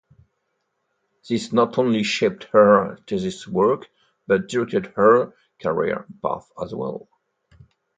This not only shaped her thesis work but directed her career path as well.